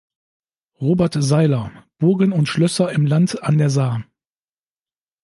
Robert Seyler: "Burgen und Schlösser im Land an der Saar".